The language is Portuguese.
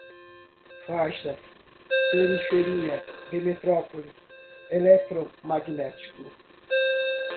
faixas, periferia de metrópole, eletromagnético